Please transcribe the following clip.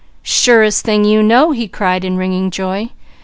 "Surest thing you know!" he cried in ringing joy.